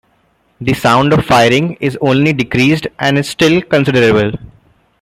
The sound of firing is only decreased and is still considerable.